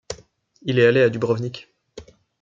Il est allé à Dubrovnik.